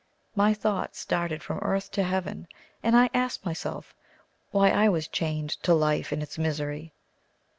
My thoughts darted from earth to heaven, and I asked myself why I was chained to life and its misery.